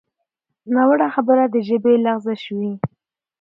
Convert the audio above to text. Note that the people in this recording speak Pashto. ناوړه خبره د ژبې لغزش وي